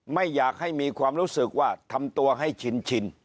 ไม่อยากให้มีความรู้สึกว่าทำตัวให้ชิน